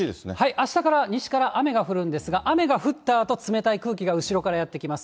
あしたから西から雨が降るんですが雨が降ったあと、冷たい空気が後ろからやって来ます。